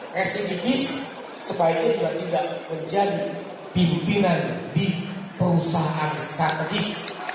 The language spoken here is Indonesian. residu bis sebaiknya tidak menjadi pimpinan di perusahaan strategis